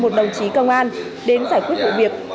một đồng chí công an đến giải quyết vụ việc